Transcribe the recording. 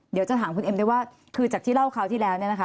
เดี๋ยวจะถามคุณเอ็มได้ว่าคือจากที่เล่าคราวที่แล้วเนี่ยนะคะ